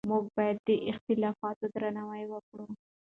موږ باید د اختلافاتو درناوی وکړو.